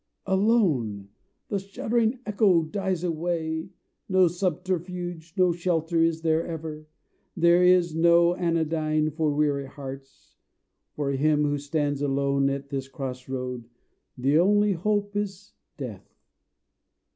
Alone! The shuddering echo dies away; No subterfuge, no shelter is there ever, There is no anodyne for weary hearts; For him who stands alone at this cross road The only hope is death.